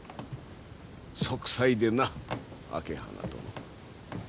息災でな朱鼻殿。